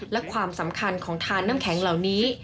และความสำคัญของทานน้ำแข็งเหล่านี้